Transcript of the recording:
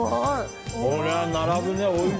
これは並ぶね、おいしい。